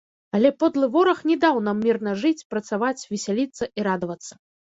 Але подлы вораг не даў нам мірна жыць, працаваць, весяліцца і радавацца.